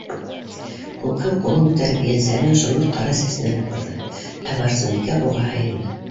Күкһыу, ҡулын күтәреп, ейәнсәренең шоморт ҡара сәсенән һыпырҙы, ә Барсынбикә уға һыйынды: